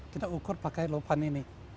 kita ukur pakai lopan ini